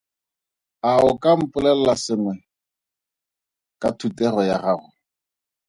A o ka mpolelela sengwe ka ga thutego ya gago?